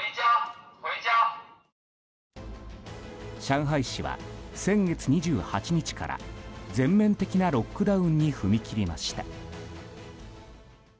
上海市は先月２８日から全面的なロックダウンに踏み切りました。